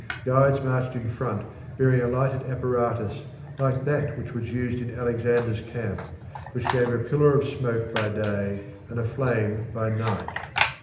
Guides marched in front bearing a lighted apparatus like that which was used in Alexander's camp, which gave a pillar of smoke by day and a flame by night.